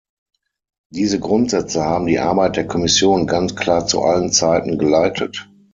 Diese Grundsätze haben die Arbeit der Kommission ganz klar zu allen Zeiten geleitet.